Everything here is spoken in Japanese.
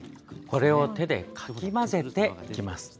これを手でかき混ぜていきます。